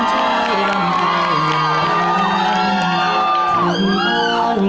ฉันก็มีเท่าที่แกล่งไป